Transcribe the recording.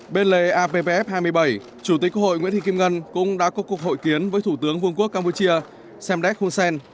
bên lề appf hai mươi bảy chủ tịch quốc hội nguyễn thị kim ngân cũng đã có cuộc hội kiến với thủ tướng vương quốc campuchia semdek hunsen